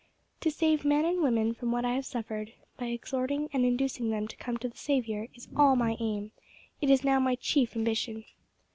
To save men and women from what I have suffered, by exhorting and inducing them to come to the Saviour is all my aim it is now my chief ambition."